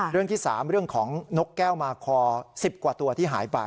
๓เรื่องของนกแก้วมาคอ๑๐กว่าตัวที่หายไป